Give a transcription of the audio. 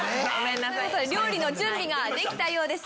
料理の準備ができたようです。